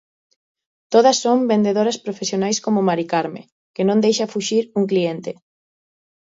Todas son vendedoras profesionais como Mari Carme que non deixa fuxir un cliente.